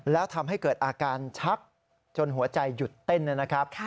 แล้วทำให้เกิดอาการชักจนหัวใจหยุดเต้นนะครับ